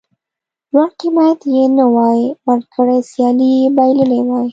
لوړ قېمت یې نه وای ورکړی سیالي یې بایللې وای.